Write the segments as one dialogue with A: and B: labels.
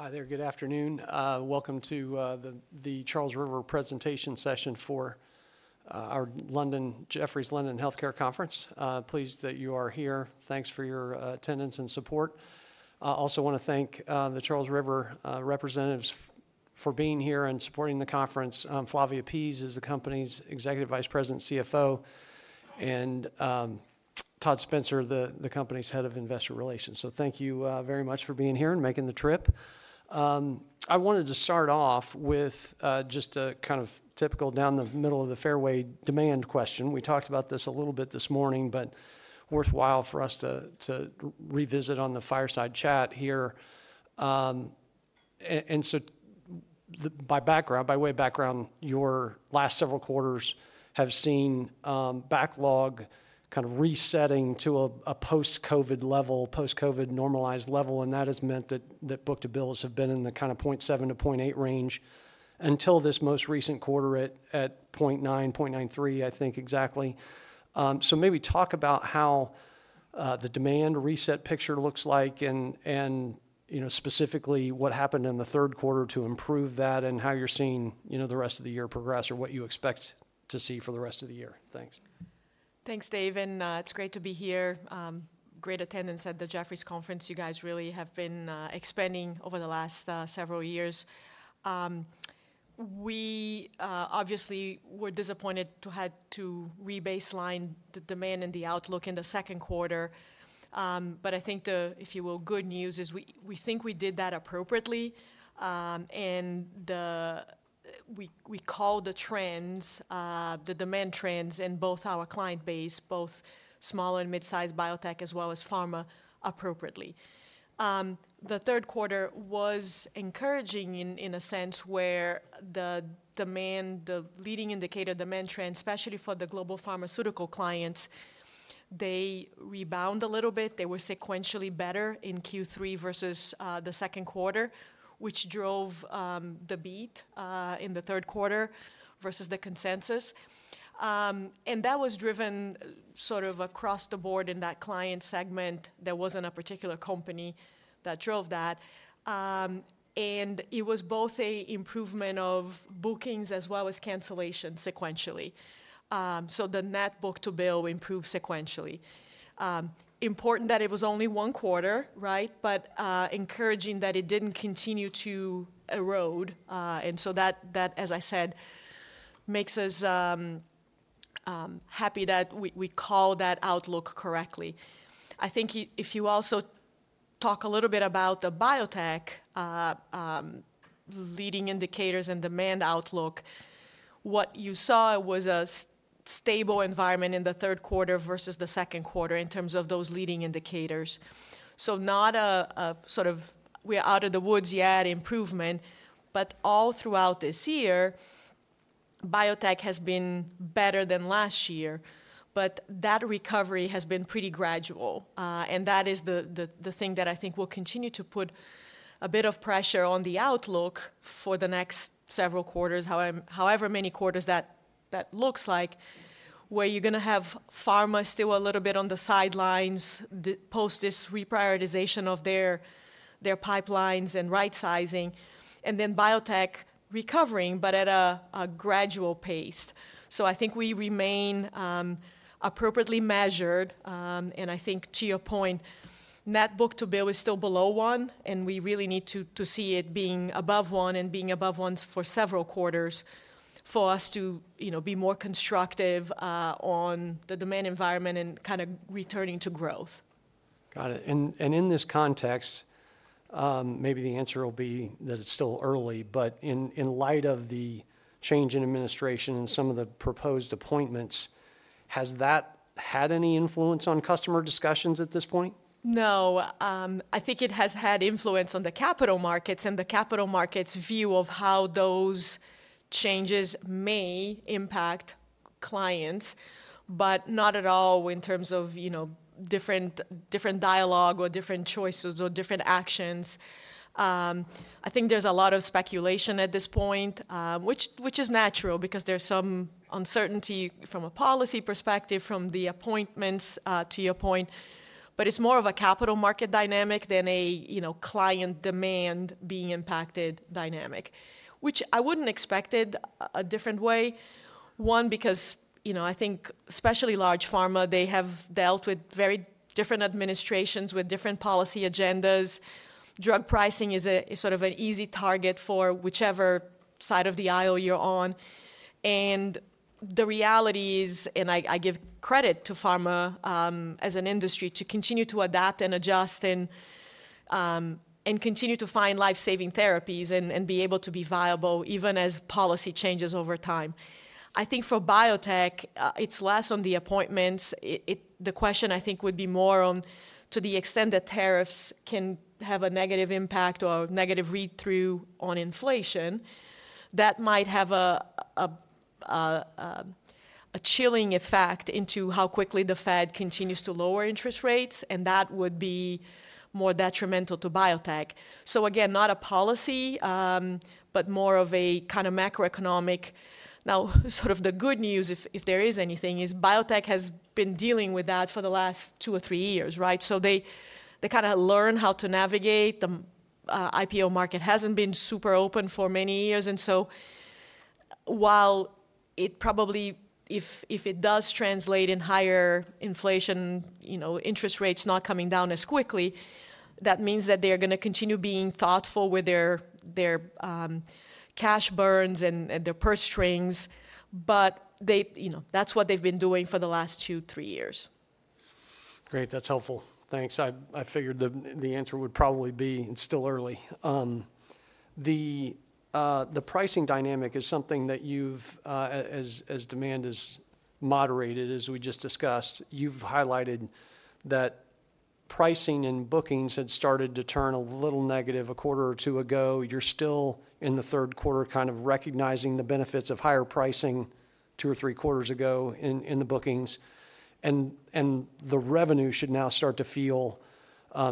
A: Hi there, good afternoon. Welcome to the Charles River presentation session for our Jefferies London Healthcare Conference. Pleased that you are here. Thanks for your attendance and support. Also want to thank the Charles River representatives for being here and supporting the conference. Flavia Pease is the company's Executive Vice President, CFO, and Todd Spencer, the company's Head of Investor Relations. Thank you very much for being here and making the trip. I wanted to start off with just a kind of typical down-the-middle-of-the-fairway demand question. We talked about this a little bit this morning, but worthwhile for us to revisit on the fireside chat here. By way of background, your last several quarters have seen backlog kind of resetting to a post-COVID level, post-COVID normalized level, and that has meant that book-to-bills have been in the kind of 0.7-0.8 range until this most recent quarter at 0.9, 0.93, I think exactly. So maybe talk about how the demand reset picture looks like and specifically what happened in the Q3 to improve that and how you're seeing the rest of the year progress or what you expect to see for the rest of the year. Thanks.
B: Thanks, David. It's great to be here. Great attendance at the Jefferies Conference. You guys really have been expanding over the last several years. We obviously were disappointed to have to re-baseline the demand and the outlook in the Q2, but I think the, if you will, good news is we think we did that appropriately and we called the trends, the demand trends in both our client base, both small and mid-size biotech as well as pharma appropriately. The Q3 was encouraging in a sense where the demand, the leading indicator demand trend, especially for the global pharmaceutical clients, they rebound a little bit. They were sequentially better in Q3 versus the Q2, which drove the beat in the Q3 versus the consensus, and that was driven sort of across the board in that client segment. There wasn't a particular company that drove that. And it was both an improvement of bookings as well as cancellations sequentially. So the net book-to-bill improved sequentially. Important that it was only one quarter, right? But encouraging that it didn't continue to erode. And so that, as I said, makes us happy that we called that outlook correctly. I think if you also talk a little bit about the biotech leading indicators and demand outlook, what you saw was a stable environment in the Q3 versus the Q2 in terms of those leading indicators. So not a sort of we're out of the woods yet improvement, but all throughout this year, biotech has been better than last year, but that recovery has been pretty gradual. That is the thing that I think will continue to put a bit of pressure on the outlook for the next several quarters, however many quarters that looks like, where you're going to have pharma still a little bit on the sidelines post this reprioritization of their pipelines and right-sizing, and then biotech recovering, but at a gradual pace. So I think we remain appropriately measured. And I think to your point, net book-to-bill is still below one, and we really need to see it being above one and being above one for several quarters for us to be more constructive on the demand environment and kind of returning to growth.
A: Got it. And in this context, maybe the answer will be that it's still early, but in light of the change in administration and some of the proposed appointments, has that had any influence on customer discussions at this point?
B: No. I think it has had influence on the capital markets and the capital markets' view of how those changes may impact clients, but not at all in terms of different dialogue or different choices or different actions. I think there's a lot of speculation at this point, which is natural because there's some uncertainty from a policy perspective, from the appointments to your point, but it's more of a capital market dynamic than a client demand being impacted dynamic, which I wouldn't expect in a different way. One, because I think especially large pharma, they have dealt with very different administrations with different policy agendas. Drug pricing is sort of an easy target for whichever side of the aisle you're on. And the reality is, and I give credit to pharma as an industry to continue to adapt and adjust and continue to find life-saving therapies and be able to be viable even as policy changes over time. I think for biotech, it's less on the appointments. The question I think would be more on to the extent that tariffs can have a negative impact or negative read-through on inflation, that might have a chilling effect into how quickly the Fed continues to lower interest rates, and that would be more detrimental to biotech. So again, not a policy, but more of a kind of macroeconomic. Now, sort of the good news, if there is anything, is biotech has been dealing with that for the last two or three years, right? So they kind of learn how to navigate. The IPO market hasn't been super open for many years. And so while it probably, if it does translate in higher inflation, interest rates not coming down as quickly, that means that they're going to continue being thoughtful with their cash burns and their purse strings, but that's what they've been doing for the last two, three years.
A: Great. That's helpful. Thanks. I figured the answer would probably be it's still early. The pricing dynamic is something that you've, as demand is moderated, as we just discussed, you've highlighted that pricing and bookings had started to turn a little negative a quarter or two ago. You're still in the Q3 kind of recognizing the benefits of higher pricing two or three quarters ago in the bookings. And the revenue should now start to feel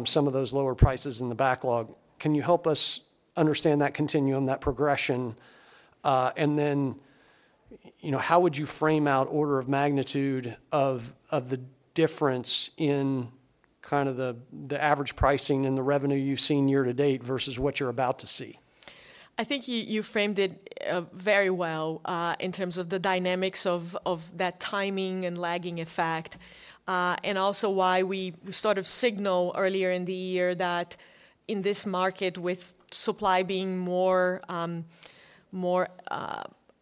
A: some of those lower prices in the backlog. Can you help us understand that continuum, that progression? And then how would you frame out order of magnitude of the difference in kind of the average pricing and the revenue you've seen year to date versus what you're about to see?
B: I think you framed it very well in terms of the dynamics of that timing and lagging effect and also why we sort of signal earlier in the year that in this market with supply being more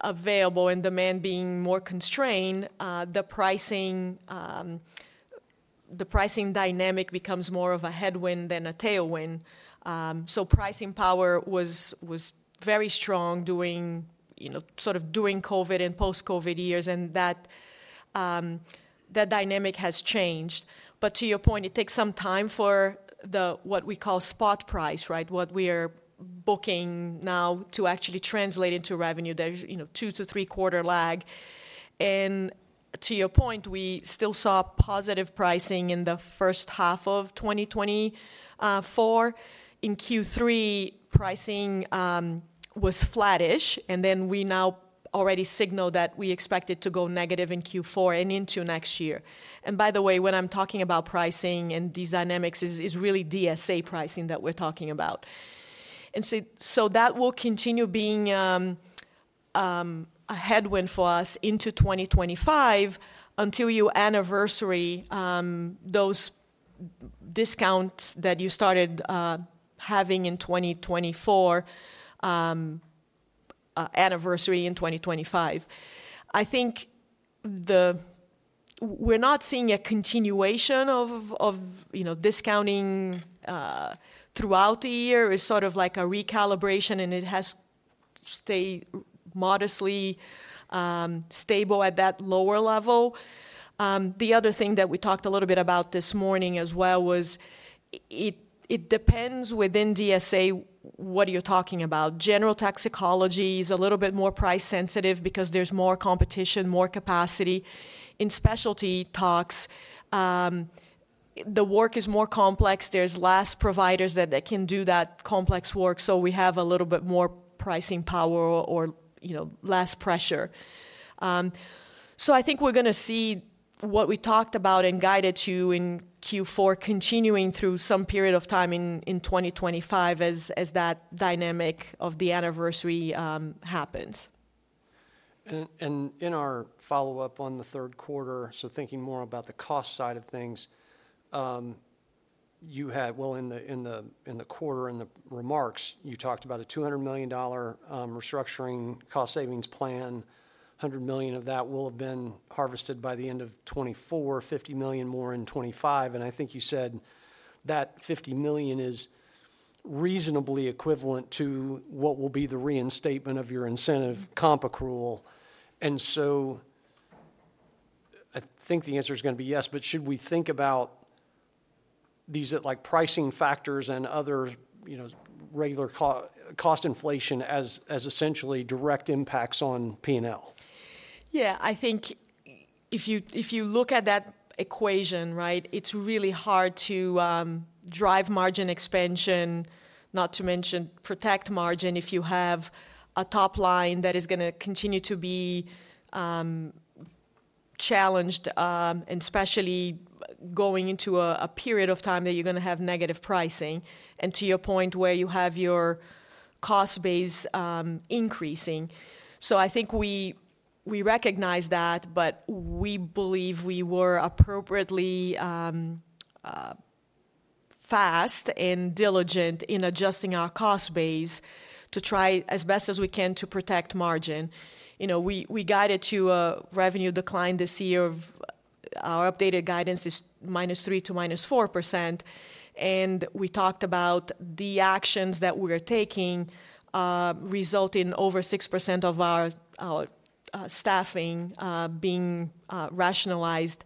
B: available and demand being more constrained, the pricing dynamic becomes more of a headwind than a tailwind. So pricing power was very strong sort of during COVID and post-COVID years, and that dynamic has changed. But to your point, it takes some time for what we call spot price, right? What we are booking now to actually translate into revenue, there's two- to three-quarter lag. And to your point, we still saw positive pricing in the first half of 2024. In Q3, pricing was flattish, and then we now already signaled that we expected to go negative in Q4 and into next year. And by the way, when I'm talking about pricing and these dynamics, it's really DSA pricing that we're talking about. And so that will continue being a headwind for us into 2025 until your anniversary, those discounts that you started having in 2024, anniversary in 2025. I think we're not seeing a continuation of discounting throughout the year. It's sort of like a recalibration, and it has stayed modestly stable at that lower level. The other thing that we talked a little bit about this morning as well was it depends within DSA what you're talking about. General toxicology is a little bit more price sensitive because there's more competition, more capacity. In specialty tox, the work is more complex. There's less providers that can do that complex work, so we have a little bit more pricing power or less pressure. So I think we're going to see what we talked about and guided to in Q4 continuing through some period of time in 2025 as that dynamic of the anniversary happens.
A: In our follow-up on the Q3, so thinking more about the cost side of things, you had, well, in the quarter, in the remarks, you talked about a $200 million restructuring cost savings plan. $100 million of that will have been harvested by the end of 2024, $50 million more in 2025. I think you said that $50 million is reasonably equivalent to what will be the reinstatement of your incentive comp accrual. I think the answer is going to be yes, but should we think about these pricing factors and other regular cost inflation as essentially direct impacts on P&L?
B: Yeah. I think if you look at that equation, right, it's really hard to drive margin expansion, not to mention protect margin if you have a top line that is going to continue to be challenged, and especially going into a period of time that you're going to have negative pricing and to your point where you have your cost base increasing, so I think we recognize that, but we believe we were appropriately fast and diligent in adjusting our cost base to try as best as we can to protect margin. We guided to a revenue decline this year. Our updated guidance is -3% to -4%, and we talked about the actions that we were taking resulting in over 6% of our staffing being rationalized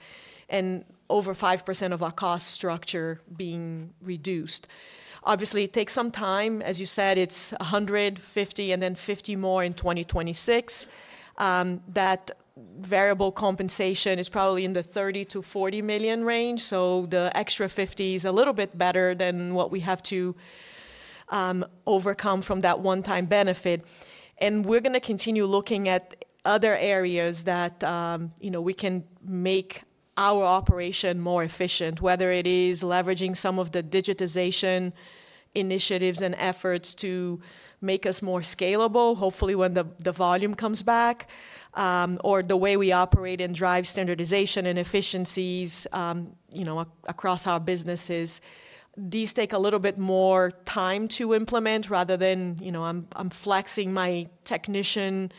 B: and over 5% of our cost structure being reduced. Obviously, it takes some time. As you said, it's $100, $50, and then $50 more in 2026. That variable compensation is probably in the $30-$40 million range, so the extra $50 is a little bit better than what we have to overcome from that one-time benefit, and we're going to continue looking at other areas that we can make our operation more efficient, whether it is leveraging some of the digitization initiatives and efforts to make us more scalable, hopefully when the volume comes back, or the way we operate and drive standardization and efficiencies across our businesses. These take a little bit more time to implement rather than I'm flexing my technician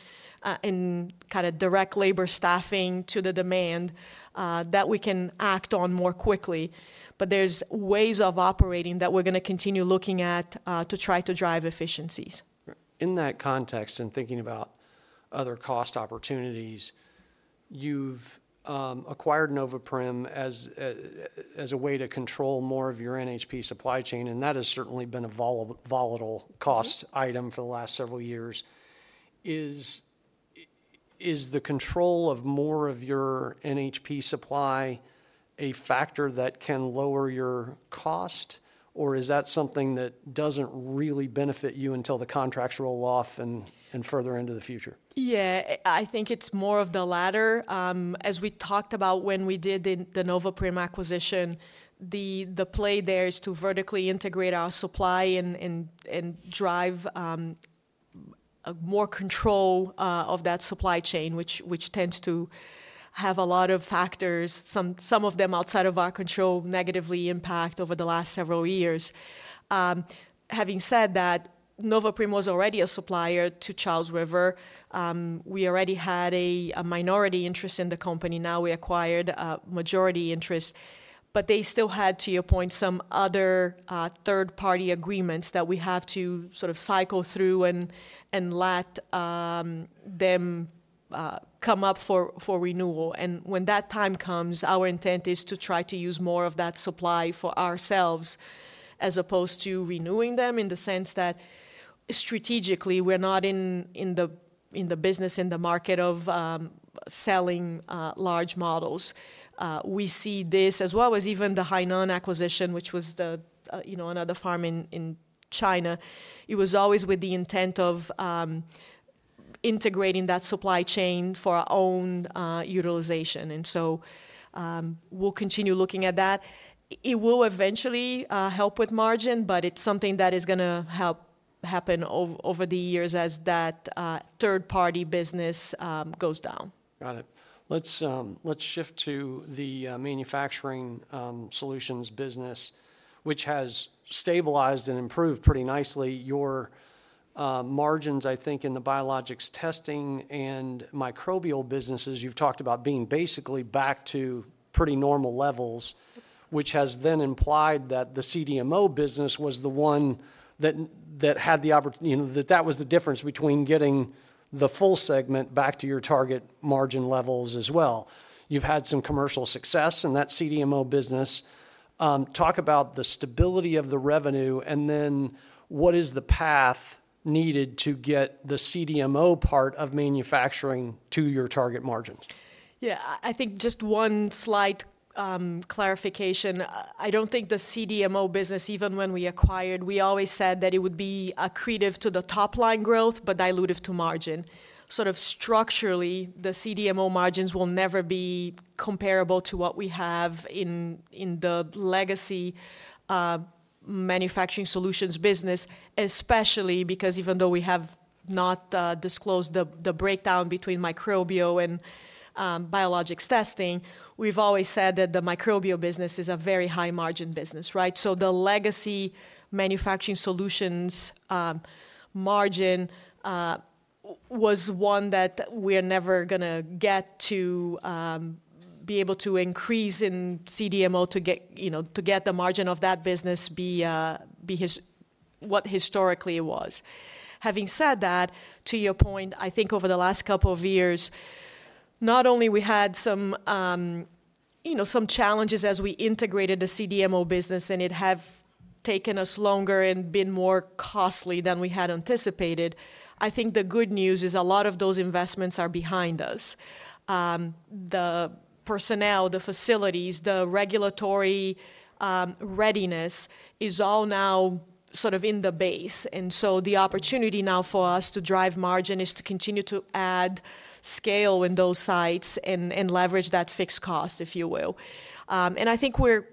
B: and kind of direct labor staffing to the demand that we can act on more quickly, but there's ways of operating that we're going to continue looking at to try to drive efficiencies.
A: In that context and thinking about other cost opportunities, you've acquired Noveprim as a way to control more of your NHP supply chain, and that has certainly been a volatile cost item for the last several years. Is the control of more of your NHP supply a factor that can lower your cost, or is that something that doesn't really benefit you until the contracts roll off and further into the future?
B: Yeah, I think it's more of the latter. As we talked about when we did the Noveprim acquisition, the play there is to vertically integrate our supply and drive more control of that supply chain, which tends to have a lot of factors, some of them outside of our control, negatively impact over the last several years. Having said that, Noveprim was already a supplier to Charles River. We already had a minority interest in the company. Now we acquired a majority interest, but they still had, to your point, some other third-party agreements that we have to sort of cycle through and let them come up for renewal. And when that time comes, our intent is to try to use more of that supply for ourselves as opposed to renewing them in the sense that strategically we're not in the business, in the market of selling large models. We see this as well as even the Hainan acquisition, which was another farm in China. It was always with the intent of integrating that supply chain for our own utilization, and so we'll continue looking at that. It will eventually help with margin, but it's something that is going to help happen over the years as that third-party business goes down.
A: Got it. Let's shift to the Manufacturing Solutions business, which has stabilized and improved pretty nicely. Your margins, I think, in the biologics testing and microbial businesses, you've talked about being basically back to pretty normal levels, which has then implied that the CDMO business was the one that had the opportunity, that that was the difference between getting the full segment back to your target margin levels as well. You've had some commercial success in that CDMO business. Talk about the stability of the revenue, and then what is the path needed to get the CDMO part of manufacturing to your target margins?
B: Yeah, I think just one slight clarification. I don't think the CDMO business, even when we acquired, we always said that it would be accretive to the top line growth, but dilutive to margin. Sort of structurally, the CDMO margins will never be comparable to what we have in the legacy manufacturing solutions business, especially because even though we have not disclosed the breakdown between microbial and biologics testing, we've always said that the microbial business is a very high margin business, right? So the legacy manufacturing solutions margin was one that we are never going to get to be able to increase in CDMO to get the margin of that business be what historically it was. Having said that, to your point, I think over the last couple of years, not only we had some challenges as we integrated the CDMO business and it has taken us longer and been more costly than we had anticipated. I think the good news is a lot of those investments are behind us. The personnel, the facilities, the regulatory readiness is all now sort of in the base. And so the opportunity now for us to drive margin is to continue to add scale in those sites and leverage that fixed cost, if you will. And I think we're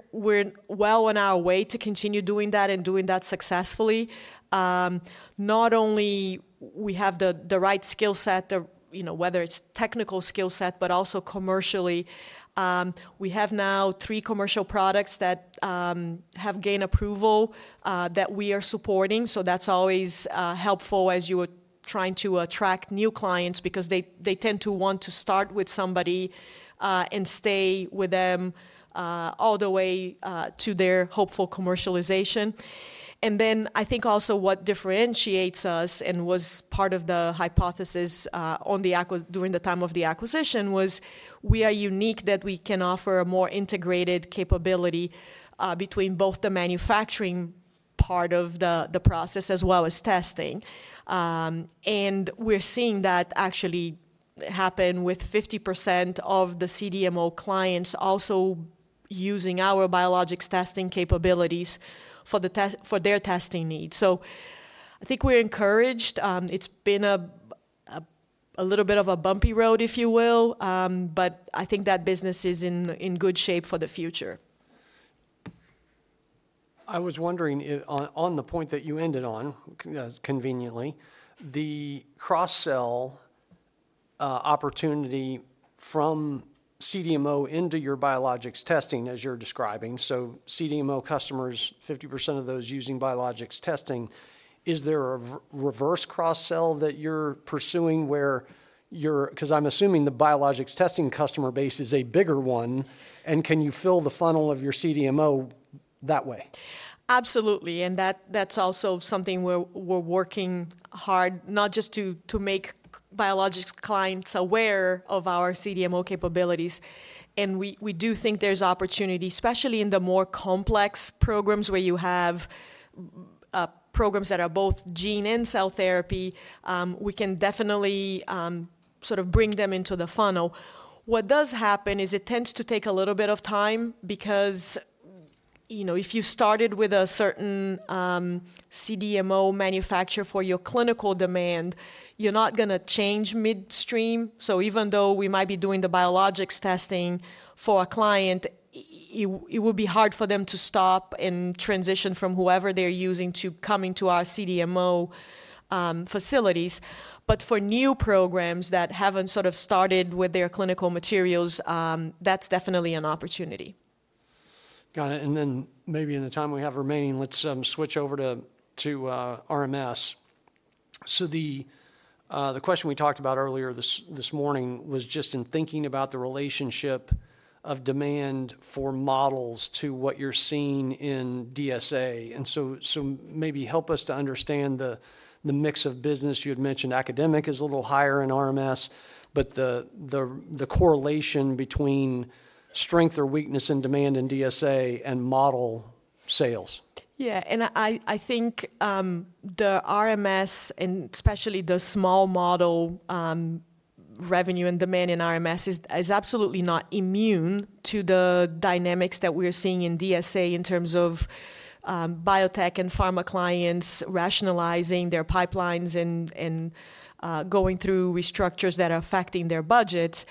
B: well on our way to continue doing that and doing that successfully. Not only do we have the right skill set, whether it's technical skill set, but also commercially, we have now three commercial products that have gained approval that we are supporting. That's always helpful as you are trying to attract new clients because they tend to want to start with somebody and stay with them all the way to their hopeful commercialization. I think also what differentiates us and was part of the hypothesis during the time of the acquisition was we are unique that we can offer a more integrated capability between both the manufacturing part of the process as well as testing. We're seeing that actually happen with 50% of the CDMO clients also using our biologics testing capabilities for their testing needs. I think we're encouraged. It's been a little bit of a bumpy road, if you will, but I think that business is in good shape for the future.
A: I was wondering on the point that you ended on conveniently, the cross-sell opportunity from CDMO into your biologics testing as you're describing. So CDMO customers, 50% of those using biologics testing. Is there a reverse cross-sell that you're pursuing where you're because I'm assuming the biologics testing customer base is a bigger one, and can you fill the funnel of your CDMO that way?
B: Absolutely. And that's also something we're working hard, not just to make biologics clients aware of our CDMO capabilities. And we do think there's opportunity, especially in the more complex programs where you have programs that are both gene and cell therapy. We can definitely sort of bring them into the funnel. What does happen is it tends to take a little bit of time because if you started with a certain CDMO manufacturer for your clinical demand, you're not going to change midstream. So even though we might be doing the biologics testing for a client, it would be hard for them to stop and transition from whoever they're using to come into our CDMO facilities. But for new programs that haven't sort of started with their clinical materials, that's definitely an opportunity.
A: Got it. And then maybe in the time we have remaining, let's switch over to RMS. So the question we talked about earlier this morning was just in thinking about the relationship of demand for models to what you're seeing in DSA. And so maybe help us to understand the mix of business. You had mentioned academic is a little higher in RMS, but the correlation between strength or weakness in demand in DSA and model sales.
B: Yeah. And I think the RMS and especially the small model revenue and demand in RMS is absolutely not immune to the dynamics that we are seeing in DSA in terms of biotech and pharma clients rationalizing their pipelines and going through restructures that are affecting their budgets.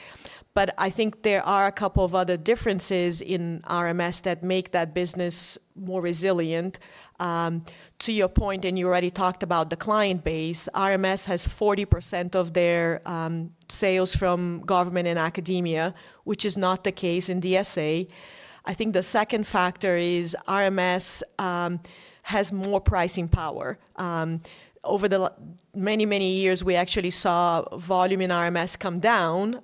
B: But I think there are a couple of other differences in RMS that make that business more resilient. To your point, and you already talked about the client base, RMS has 40% of their sales from government and academia, which is not the case in DSA. I think the second factor is RMS has more pricing power. Over the many, many years, we actually saw volume in RMS come down.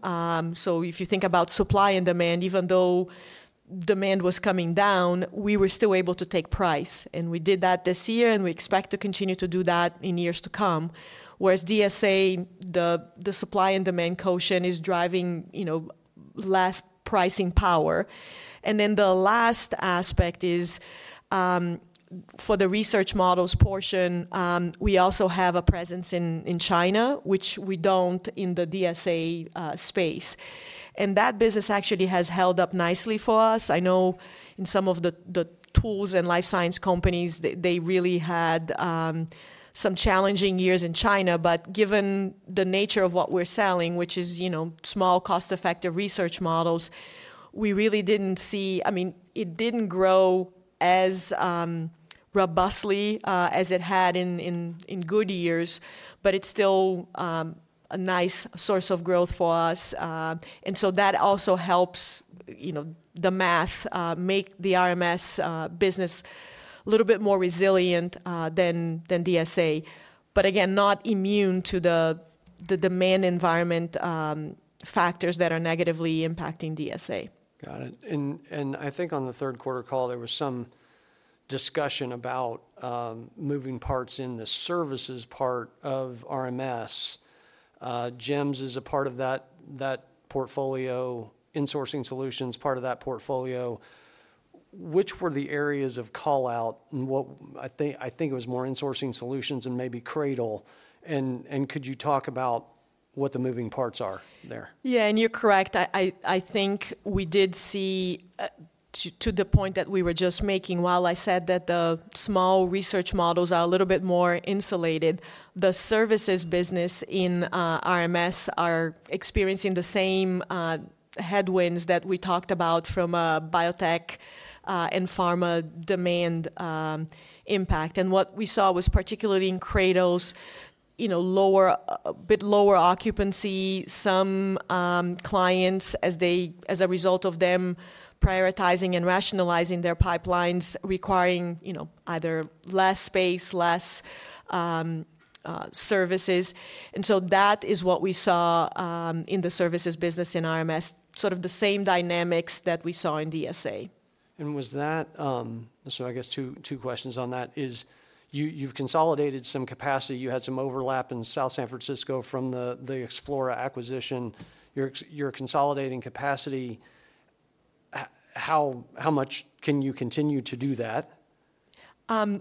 B: So if you think about supply and demand, even though demand was coming down, we were still able to take price. And we did that this year, and we expect to continue to do that in years to come. Whereas DSA, the supply and demand equation is driving less pricing power. And then the last aspect is for the research models portion, we also have a presence in China, which we don't in the DSA space. And that business actually has held up nicely for us. I know in some of the tools and life science companies, they really had some challenging years in China. But given the nature of what we're selling, which is small, cost-effective research models, we really didn't see, I mean, it didn't grow as robustly as it had in good years, but it's still a nice source of growth for us. And so that also helps the math make the RMS business a little bit more resilient than DSA, but again, not immune to the demand environment factors that are negatively impacting DSA.
A: Got it. And I think on the Q3 Call, there was some discussion about moving parts in the services part of RMS. GEMS is a part of that portfolio, Insourcing Solutions part of that portfolio. Which were the areas of callout? I think it was more Insourcing Solutions and maybe CRADL. And could you talk about what the moving parts are there?
B: Yeah, and you're correct. I think we did see to the point that we were just making while I said that the small research models are a little bit more insulated. The services business in RMS are experiencing the same headwinds that we talked about from a biotech and pharma demand impact. And what we saw was particularly in CRADL's, a bit lower occupancy, some clients as a result of them prioritizing and rationalizing their pipelines requiring either less space, less services. And so that is what we saw in the services business in RMS, sort of the same dynamics that we saw in DSA.
A: And was that, so I guess two questions on that is you've consolidated some capacity. You had some overlap in South San Francisco from the Explora acquisition. You're consolidating capacity. How much can you continue to do that?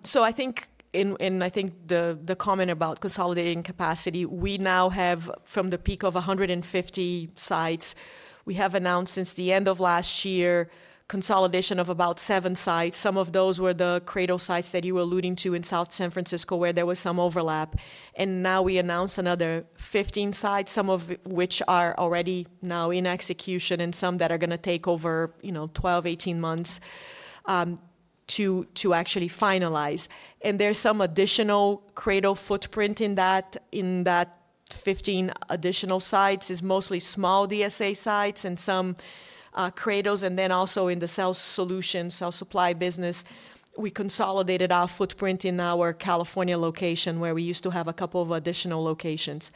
B: So I think, and I think the comment about consolidating capacity. We now have from the peak of 150 sites. We have announced since the end of last year consolidation of about seven sites. Some of those were the CRADL sites that you were alluding to in South San Francisco where there was some overlap. And now we announced another 15 sites, some of which are already now in execution and some that are going to take over 12-18 months to actually finalize. And there's some additional CRADL footprint in that 15 additional sites is mostly small DSA sites and some CRADLs. And then also in the cell solution, cell supply business, we consolidated our footprint in our California location where we used to have a couple of additional locations.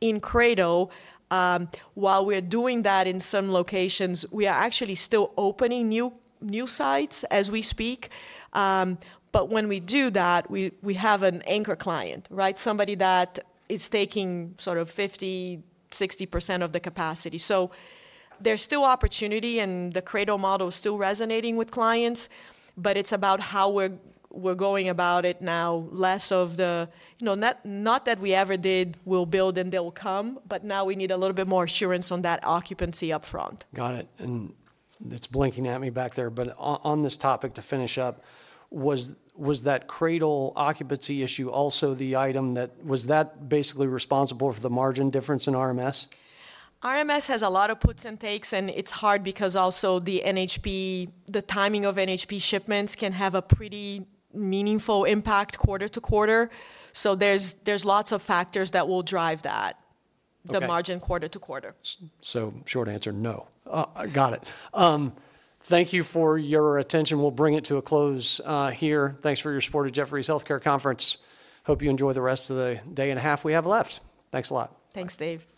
B: In CRADL, while we're doing that in some locations, we are actually still opening new sites as we speak. But when we do that, we have an anchor client, right? Somebody that is taking sort of 50%-60% of the capacity. So there's still opportunity and the CRADL model is still resonating with clients, but it's about how we're going about it now, less of the, not that we ever did, we'll build and they'll come, but now we need a little bit more assurance on that occupancy upfront.
A: Got it. And it's blinking at me back there, but on this topic to finish up, was that CRADL occupancy issue also the item that was basically responsible for the margin difference in RMS?
B: RMS has a lot of puts and takes, and it's hard because also the NHP, the timing of NHP shipments, can have a pretty meaningful impact quarter to quarter. So there's lots of factors that will drive that, the margin, quarter to quarter.
A: So, short answer, no. Got it. Thank you for your attention. We'll bring it to a close here. Thanks for your support of Jefferies Healthcare Conference. Hope you enjoy the rest of the day and a half we have left. Thanks a lot.
B: Thanks, Dave.